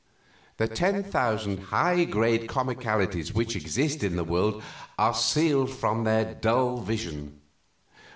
The ten thousand high grade comicalities which exist in the world are sealed from their dull vision.